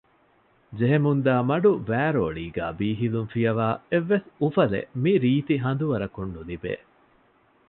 ޖެހެމުންދާ މަޑުވައިރޯޅީގައި ބީހިލުން ފިޔަވައި އެއްވެސް އުފަލެއް މިރީތި ހަނދުވަރަކުން ނުލިބޭ